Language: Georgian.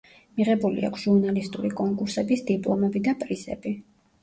მიღებული აქვს ჟურნალისტური კონკურსების დიპლომები და პრიზები.